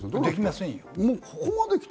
できませんよ。